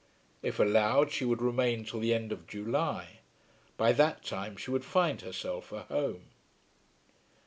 If allowed she would remain till the end of July. By that time she would find herself a home.